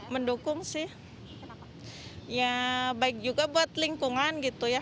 mendukung sih kenapa ya baik juga buat lingkungan gitu ya